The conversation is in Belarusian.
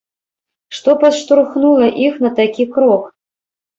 Што падштурхнула іх на такі крок?